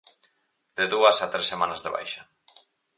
De dúas a tres semanas de baixa.